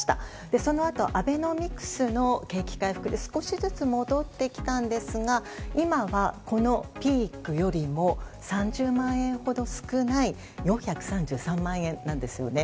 そのあとアベノミクスの景気回復で少しずつ戻ってきたんですが今はこのピークよりも３０万円ほど少ない４３３万円なんですね。